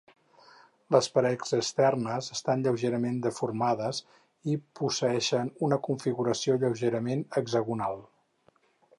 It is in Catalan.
Les parets externes estan lleugerament deformades i posseeixen una configuració lleugerament hexagonal.